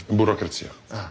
ああ。